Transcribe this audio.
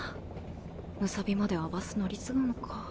武蔵美まではバス乗り継ぐのか。